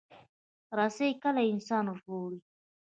رسۍ کله انسان ژغوري.